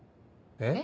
えっ？